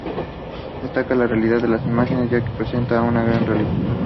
Destaca la realidad de las imágenes ya que se representan con gran realismo.